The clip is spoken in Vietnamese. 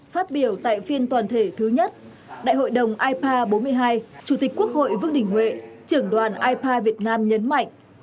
phát biểu tại phiên toàn thể thứ nhất đại hội đồng ipa bốn mươi hai chủ tịch quốc hội vương đình huệ trưởng đoàn ipa việt nam nhấn mạnh